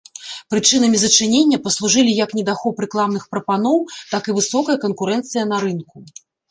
Прычынамі зачынення паслужылі як недахоп рэкламных прапаноў, так і высокая канкурэнцыя на рынку.